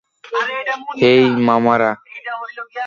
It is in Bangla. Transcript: হেই, মামারা।